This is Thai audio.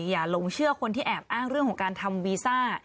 หลงเชื่อคนที่แอบอ้างเรื่องของการทำวีซ่า